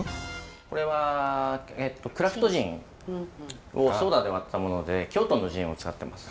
これはクラフトジン。をソーダで割ったもので京都のジンを使ってます。